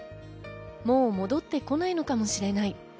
もう戻ってこないのかもしれない。